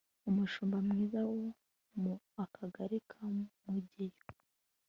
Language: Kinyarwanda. umushumba mwiza wo mu akagari ka mugeyo